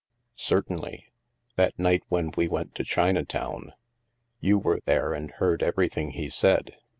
''" Certainly. That night when we went to China town. You were there and heard everything he Baid.